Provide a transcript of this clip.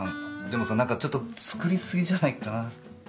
でもさ何かちょっと作りすぎじゃないかな。